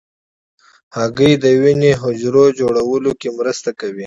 هګۍ د وینې حجرو جوړولو کې مرسته کوي.